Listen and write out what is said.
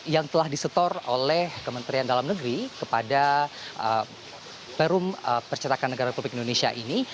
yang telah disetor oleh kementerian dalam negeri kepada perum percetakan negara republik indonesia ini